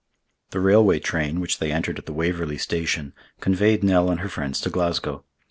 The railway train, which they entered at the Waverley Station, conveyed Nell and her friends to Glasgow.